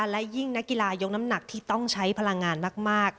และยิ่งนักกีฬายกน้ำหนักที่ต้องใช้พลังงานมาก